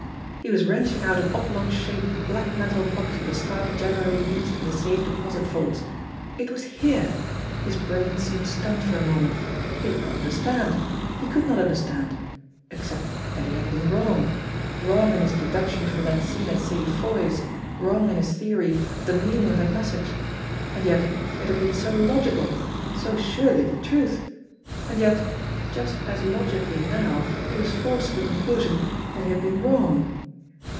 He was wrenching out an oblong shaped, black metal box of the style generally used in the safe deposit vaults. It was here ! His brain seemed stunned for a moment. He did not understand. He could not understand except that he had been wrong wrong in his deduction from that scene at Sadie Foy's, wrong in his theory of the meaning of that message. And yet it had been so logical, so surely the truth ! And yet, just as logically now, he was forced to the conclusion that he had been wrong.